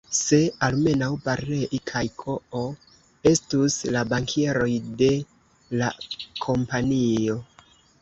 Se almenaŭ Barlei kaj K-o estus la bankieroj de la Kompanio!